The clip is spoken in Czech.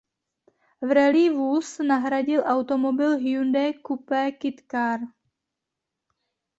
V rallye vůz nahradil automobil Hyundai Coupé Kit Car.